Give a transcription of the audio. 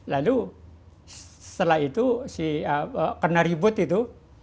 lalu setelah itu si kena ribut itu